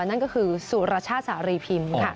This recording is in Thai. นั่นก็คือสุรชาติสารีพิมพ์ค่ะ